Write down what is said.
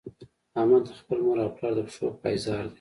احمد د خپل مور او پلار د پښو پایزار دی.